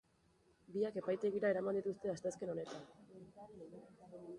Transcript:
Biak epaitegira eraman dituzte asteazken honetan.